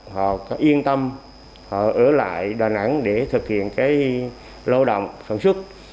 họ yên tâm họ ở lại đà nẵng để thực hiện lao động sản xuất